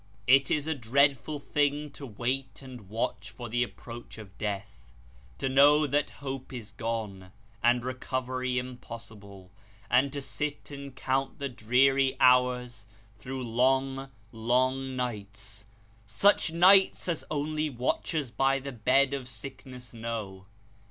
It is a dreadful thing to wait and watch for the approach of death ; to know that hope is gone, and recovery impossible ; and to sit and count the dreary hours through long, long nights such nights as only watchers by the bed of sickness know.